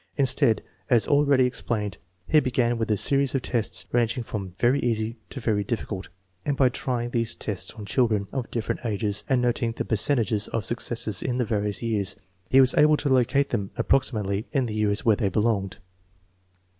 Instead, as already explained, he began with a scries of tests ranging from very easy to very difficult, and by trying these tests on children of different ages and noting the percentages of successes in the various years, he was able to locate them (approximately) in the years where they belonged.